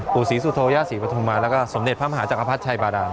ปู่ศรีสุโธย่าศรีปฐุมาแล้วก็สมเด็จพระมหาจักรพรรดิชัยบาดาน